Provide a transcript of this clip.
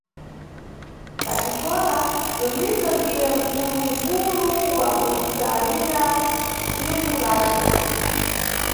Paxikola, Tonito ndiye nkulunkulu wa kupsayira nʼthimu lace.